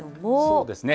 そうですね。